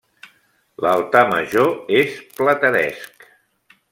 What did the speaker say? L'altar major és plateresc.